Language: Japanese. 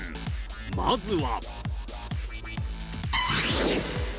まずは。